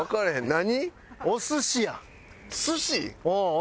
何？